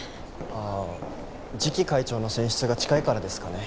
ああ次期会長の選出が近いからですかね。